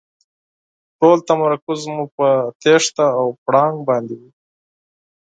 ټول تمرکز مو په تېښته او پړانګ باندې وي.